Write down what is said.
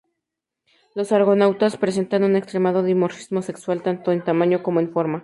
Los argonautas presentan un extremado dimorfismo sexual, tanto en tamaño como en forma.